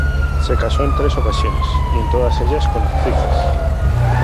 Se casó en tres ocasiones, y en todas ellas con actrices.